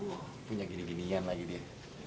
wah punya gini ginian lagi dia